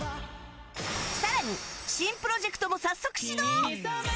更に、新プロジェクトも早速始動！